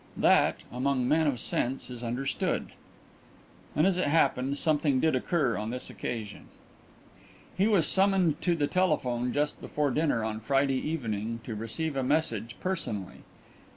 That, among men of sense, is understood." And, as it happened, something did occur on this occasion. He was summoned to the telephone just before dinner on Friday evening to receive a message personally.